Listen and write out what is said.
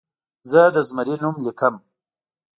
زه د زمري نوم لیکم.